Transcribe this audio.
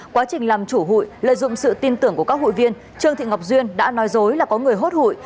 quá trình làm chủ hụi lợi dụng sự tin tưởng của các hụi viên trương thị ngọc duyên đã nói dối là có người hốt hụi